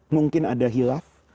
mungkin ada hilaf